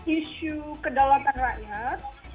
isu kedalaman rakyat